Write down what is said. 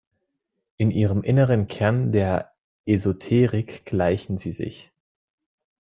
In ihrem inneren Kern, der »Esoterik«, gleichen sie sich.